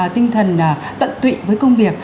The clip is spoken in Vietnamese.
và tận tụy với công việc